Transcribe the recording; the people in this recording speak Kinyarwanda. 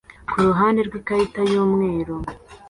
kuruhande rwikarita yumweru